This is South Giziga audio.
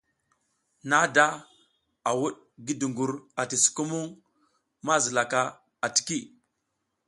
Nada a wuɗ ngi dugur ati sukumuŋ ma zila ka atiki.